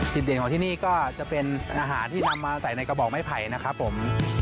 เด่นของที่นี่ก็จะเป็นอาหารที่นำมาใส่ในกระบอกไม้ไผ่นะครับผม